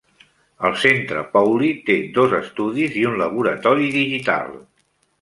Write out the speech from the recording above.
El centre Pauley té dos estudis i un laboratori digital.